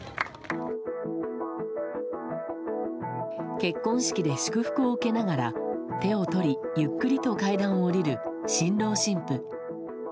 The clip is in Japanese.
結婚式で祝福を受けながら手を取りゆっくりと階段を下りる新郎新婦。